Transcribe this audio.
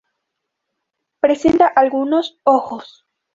Presenta algunos ojos.